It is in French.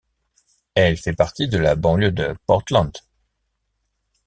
Elle fait partie de la banlieue de Portland.